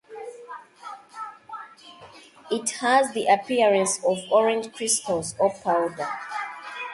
It has the appearance of orange crystals or powder.